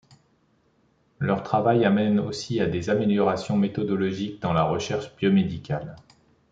Leur travail amène aussi à des améliorations méthodologiques dans la recherche biomédicale.